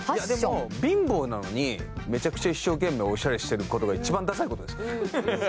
でも貧乏なのにめちゃくちゃ一生懸命オシャレしてる事が１番ダサい事ですから。